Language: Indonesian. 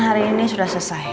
hari ini sudah selesai